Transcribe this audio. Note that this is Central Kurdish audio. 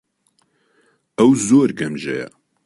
ئەو زۆر گەمژەیە.